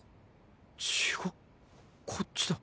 違こっちだ。